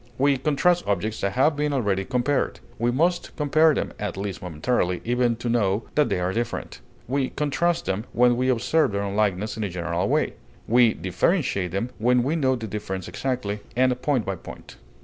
We contrast objects that have been already compared. We must compare them, at least momentarily, even to know that they are different. We contrast them when we observe their unlikeness in a general way; we differentiate them when we note the difference exactly and point by point.